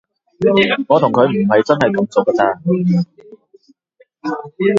我同佢唔係真係咁熟㗎咋